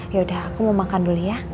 yaudah aku mau makan dulu ya